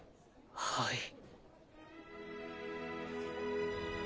はい。